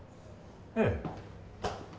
ええ。